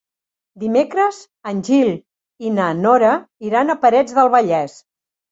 Dimecres en Gil i na Nora iran a Parets del Vallès.